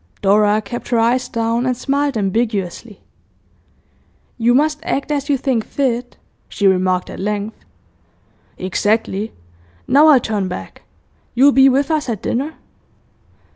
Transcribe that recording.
Dora kept her eyes down, and smiled ambiguously. 'You must act as you think fit,' she remarked at length. 'Exactly. Now I'll turn back. You'll be with us at dinner?